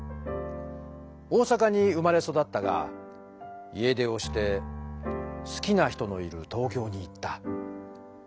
大阪に生まれそだったが家出をしてすきな人のいる東京に行った。